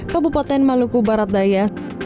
kabupaten maluku barat daya